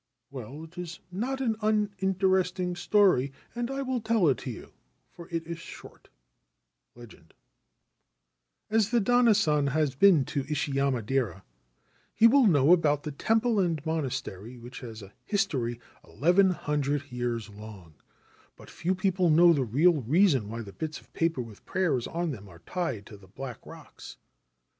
' Well, it is not an uninteresting story, and I will tell it to you, for it is short/ LEGEND 1 As the Danna San has been to Ishiyama dera, he will know about the temple and monastery, which has a history eleven hundred years long ; l but few people know the real reason why the bits of paper with prayers on them are tied to the black rocks.